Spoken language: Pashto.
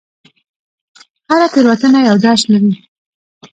هره تېروتنه یو درس لري.